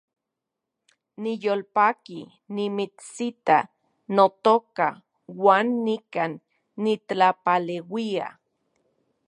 Niyolpaki nimitsita, notoka, uan nikan nitlapaleuia